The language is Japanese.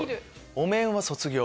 「お面は卒業」？